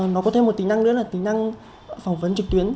nó có thêm một tính năng nữa là tính năng phỏng vấn trực tuyến